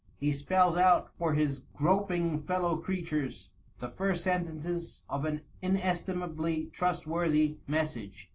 He spells out for his groping fellow creatures the first sentences of an inestimably trustworthy mes sage.